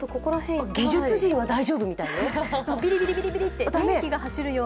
技術陣は大丈夫みたいよ。